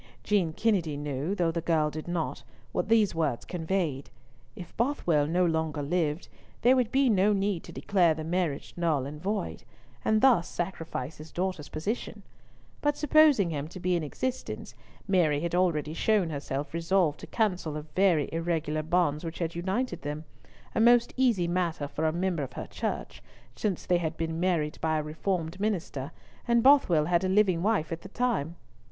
Jean Kennedy knew, though the girl did not, what these words conveyed. If Bothwell no longer lived, there would be no need to declare the marriage null and void, and thus sacrifice his daughter's position; but supposing him to be in existence, Mary had already shown herself resolved to cancel the very irregular bonds which had united them,—a most easy matter for a member of her Church, since they had been married by a Reformed minister, and Bothwell had a living wife at the time.